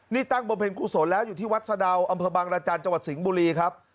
นี่ตั้งบำเพ็ญกุศลแล้วอยู่ที่วัดสะดาวอำเภอบางรจันทร์จังหวัดสิงห์บุรีครับ